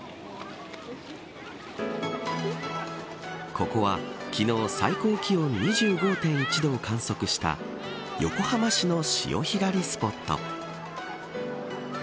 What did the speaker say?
ここは昨日最高気温２５．１度を観測した横浜市の潮干狩りスポット。